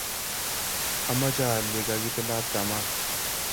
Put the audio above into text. amoche ale kakitilat tamaa.